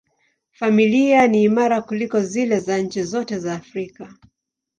Familia ni imara kuliko zile za nchi zote za Afrika.